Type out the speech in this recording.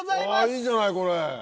いいじゃないこれ。